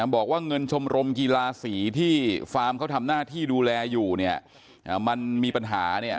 บอกว่าเงินชมรมกีฬา๔ที่ฟาร์มเขาทำหน้าที่ดูแลอยู่มันมีปัญหา